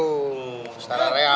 ustaz raya ada siapa